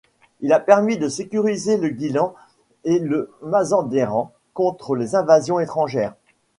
Il a permis de sécuriser le Guilan et le Mazandéran contre les invasions étrangères.